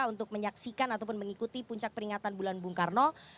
untuk menyaksikan ataupun mengikuti puncak peringatan bulan bung karno